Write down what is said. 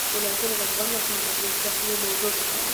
ولایتونه د افغان ماشومانو د زده کړې موضوع ده.